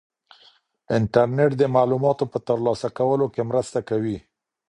انټرنيټ د معلوماتو په ترلاسه کولو کې مرسته کوي.